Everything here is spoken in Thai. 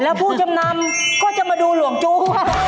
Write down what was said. แล้วผู้จำนำก็จะมาดูหลวงจู้ว่า